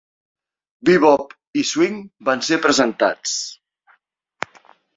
Bebop i swing van ser presentats.